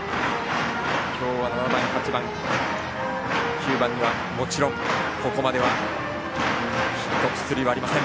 今日は７番、８番９番にはもちろんここまではヒット、出塁はありません。